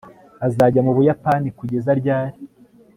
azajya mu buyapani kugeza ryari